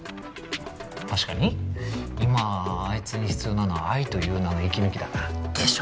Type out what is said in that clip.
確かに今あいつに必要なのは愛という名の息抜きだな。でしょ？